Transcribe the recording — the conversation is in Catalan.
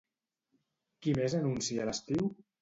Qui més anuncia l'estiu?